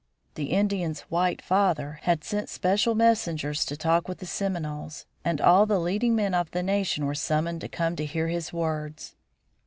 The Indians' "white father" had sent special messengers to talk with the Seminoles, and all the leading men of the nation were summoned to come to hear his words.